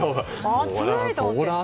暑い！と思って。